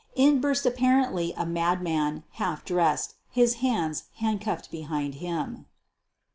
In burst apparently a madman, half dressed, his hands handcuffed be hind him.